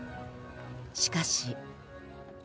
しかし。